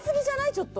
ちょっと。